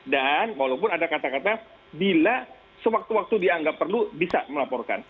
dan walaupun ada kata kata bila sewaktu waktu dianggap perlu bisa melaporkan